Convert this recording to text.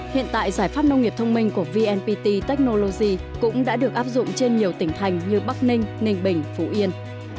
hiện tại giải pháp nông nghiệp thông minh của vnpt technology cũng đã được áp dụng trên nhiều tỉnh thành như bắc ninh ninh bình phú yên